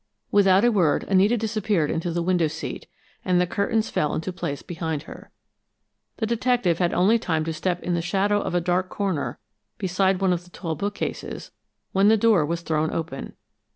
Without a word Anita disappeared into the window seat, and the curtains fell into place behind her. The detective had only time to step in the shadow of a dark corner beside one of the tall bookcases, when the door was thrown open.